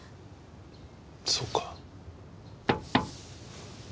そうか。